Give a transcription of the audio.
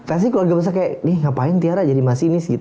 pasti keluarga besar kayak nih ngapain tiara jadi masinis gitu